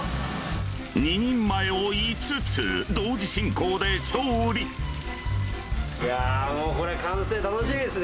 ２人前を５つ同時進行で調理いやもう。